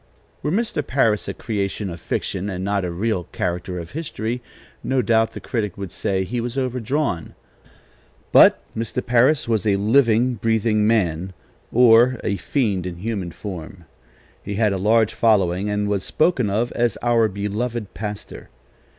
Were Mr. Parris a creation of fiction and not a real character of history, no doubt the critic would say he was overdrawn; but Samuel Parris was a living, breathing man, or a fiend in human form. He had a large following, and was spoken of as our beloved pastor.